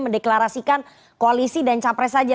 mendeklarasikan koalisi dan capres saja